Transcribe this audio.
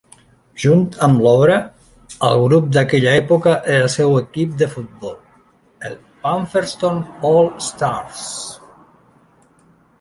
Junt amb l'obra, el grup d'aquella època era el seu equip de futbol, el Pumpherston All-Stars.